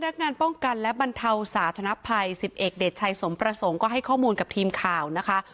นักงานป้องกันและบรรเทาสาธนภัย๑๑เดชชัยสมประสงค์ก็ให้ข้อมูลกับทีมข่าวนะคะ